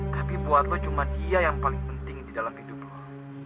tapi buat lo cuma dia yang paling penting di dalam hidupmu